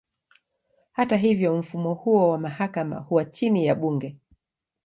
Hata hivyo, mfumo huo wa mahakama huwa chini ya bunge.